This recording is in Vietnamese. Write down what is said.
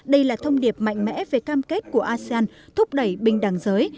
đây là thông điệp mạnh mẽ về cam kết của asean thúc đẩy bình đẳng giới